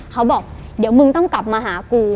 เขาบอกเดี๋ยวมึงต้องกลับมาหากู